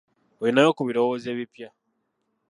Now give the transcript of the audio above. Olinayo ku birowoozo ebipya?